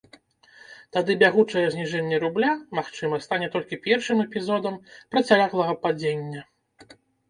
Тады бягучае зніжэнне рубля, магчыма, стане толькі першым эпізодам працяглага падзення.